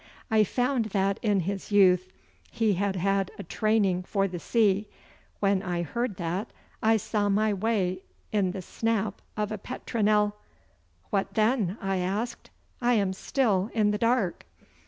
I found that in his youth he had had a training for the sea. When I heard that, I saw my way in the snap of a petronel.' 'What then?' I asked. 'I am still in the dark.